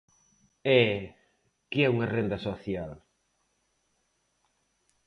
E ¿que é unha renda social?